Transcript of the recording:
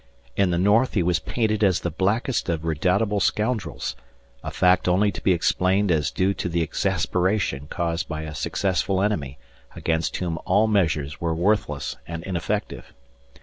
In the North he was painted as the blackest of redoubtable scoundrels, a fact only to be explained as due to the exasperation caused by a successful enemy against whom all measures were worthless and ineffective.